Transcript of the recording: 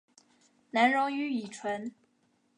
难溶于乙醇。